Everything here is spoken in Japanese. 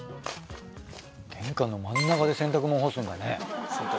玄関の真ん中で洗濯物干すんだね。